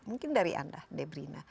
mungkin dari anda debrina